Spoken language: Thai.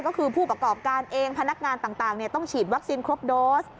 ก็คือผู้ประกอบการเองพนักงานต่างต้องฉีดวัคซีนครบโดส